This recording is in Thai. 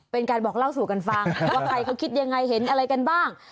เป็นการบอกเล่าสู่กันฟังว่าใครเขาคิดยังไงเห็นอะไรกันบ้าง